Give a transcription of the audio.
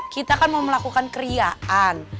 kita kan mau melakukan kriaan